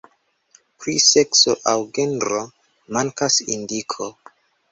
Pri sekso aŭ genro mankas indiko.